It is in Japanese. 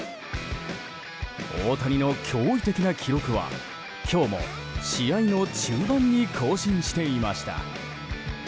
大谷の驚異的な記録は今日も、試合の中盤に更新していました。